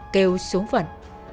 kêu xuống phận